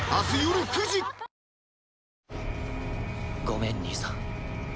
ごめん兄さん。